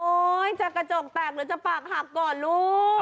จะกระจกแตกหรือจะปากหักก่อนลูก